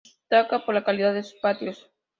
Destaca por la calidad de sus patios.